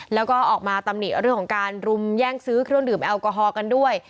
แล้วก็ออกมาตำหนิเรื่องของการรุมแย่งซื้อเครื่องดื่มแอลกอฮอลกันด้วย